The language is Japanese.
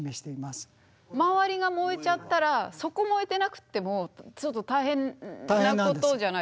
周りが燃えちゃったらそこ燃えてなくってもちょっと大変なことじゃないですか？